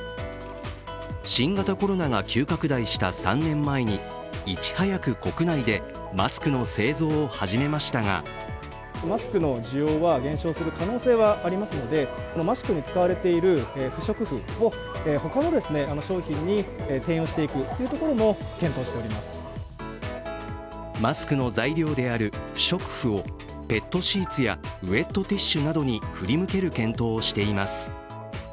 新型コロナが急拡大した３年前にいち早く国内でマスクの製造を始めましたがマスクの材料である不織布をペットシーツやウェットティッシュなどに振り向ける検討をしています。